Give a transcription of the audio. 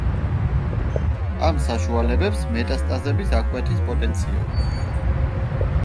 ამ საშუალებებს მეტასტაზების აღკვეთის პოტენცია აქვს.